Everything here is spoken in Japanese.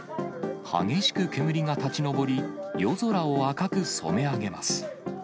激しく煙が立ち上り、夜空を赤く染め上げます。